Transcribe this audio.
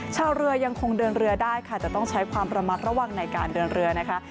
ชาวเรือยังคงเดินเรือได้ค่ะจะต้องใช้ความระมัดระวังในการเดินเรือนะคะ